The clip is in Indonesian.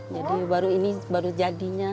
jadi ini baru jadinya